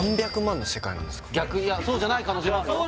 逆にそうじゃない可能性もあるよ